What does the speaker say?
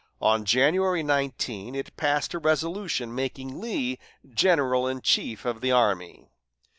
On January 19 it passed a resolution making Lee general in chief of the army.